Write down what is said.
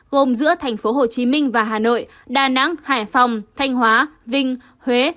gồm giữa tp hcm và hà nội đà nẵng hải phòng thanh hóa vinh huế